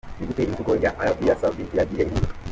Ni gute imvugo ya Arabie Saoudite yagiye ihinduka? .